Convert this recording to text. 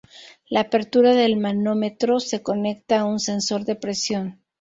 La apertura del manómetro se conecta a un sensor de presión.